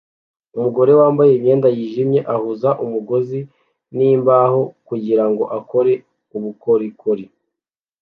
Umugore wambaye imyenda yijimye ahuza umugozi nimbaho kugirango akore ubukorikori